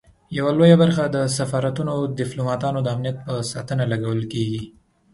یوه لویه برخه د سفارتونو او ډیپلوماټانو د امنیت په ساتنه لګول کیږي.